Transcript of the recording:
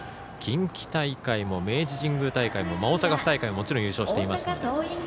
近畿大会も明治神宮大会も大阪府大会ももちろん優勝しています。